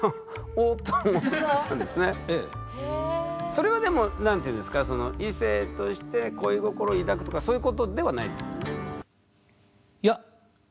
それはでも何ていうんですかその異性として恋心を抱くとかそういうことではないですよね？